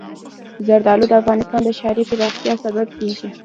زردالو د افغانستان د ښاري پراختیا سبب کېږي.